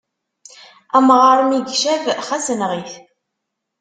Amɣaṛ mi yecab, xas enɣ-it.